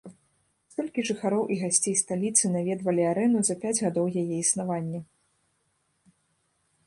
Столькі жыхароў і гасцей сталіцы наведвалі арэну за пяць гадоў яе існавання.